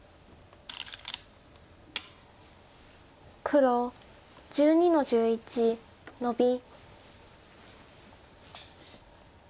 黒１２の十一ノビ。